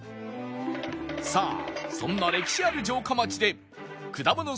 さあそんな歴史ある城下町でくだもの